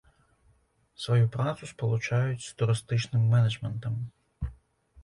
Сваю працу спалучаюць з турыстычным менеджментам.